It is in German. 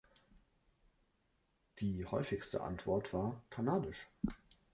Die häufigste Antwort war „kanadisch“.